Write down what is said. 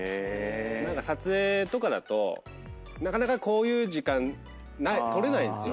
何か撮影とかだとなかなかこういう時間取れないんですよ。